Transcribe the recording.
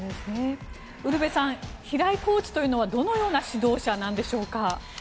ウルヴェさん平井コーチというのはどのような指導者なんでしょうか。